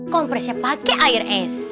kompresnya pake air es